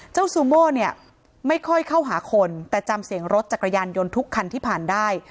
ซูโม่เนี่ยไม่ค่อยเข้าหาคนแต่จำเสียงรถจักรยานยนต์ทุกคันที่ผ่านได้